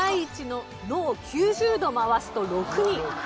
「の」を９０度回すと「６」に。